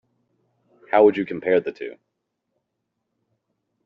How would you compare the two?